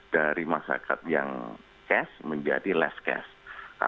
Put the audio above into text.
dari masyarakat yang cash menjadi less cash